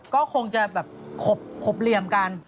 ก็คงจะแบบขบเหลี่ยมกัน